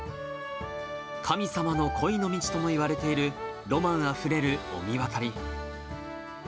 神様の恋の道ともいわれているロマンあふれる御神渡り。